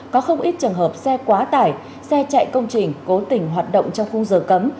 có không ít trường hợp xe quá tải xe chạy công trình cố tình hoạt động trong khung giờ cấm